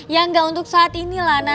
ya gak untuk saat ini lah